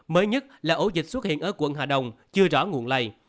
mới nhất là ổ dịch xuất hiện ở quận hà đông chưa rõ nguồn lây